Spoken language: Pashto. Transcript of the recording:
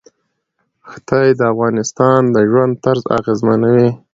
ښتې د افغانانو د ژوند طرز اغېزمنوي.